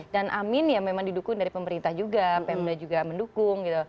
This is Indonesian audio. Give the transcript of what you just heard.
amin ya memang didukung dari pemerintah juga pemda juga mendukung gitu